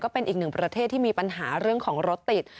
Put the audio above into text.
เป็นอีกหนึ่งประเทศที่มีปัญหาเรื่องของรถติด